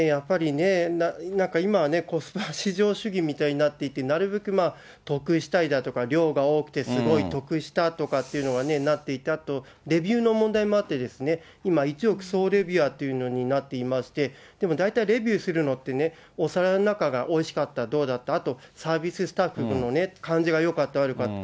やっぱりね、なんか今はね、コスパ至上主義みたいになっていて、なるべく得したいだとか、量が多くてすごい得したとかっていうのがなっていたと、レビューの問題もあって、今、１億総レビュアーというのになっていまして、でも大体レビューするのって、お皿の中がおいしかったか、どうだったか、あとサービススタッフの感じがよかった、悪かった。